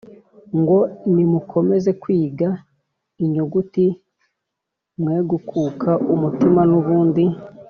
Ngo: "Nimukomeze kwiga inyuguti, Mwegukuka umutima bundi,